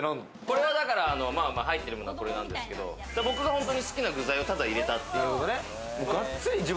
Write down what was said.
これ入ってるものが、これなんですけれども、僕が本当に好きな具材をただ入れたという。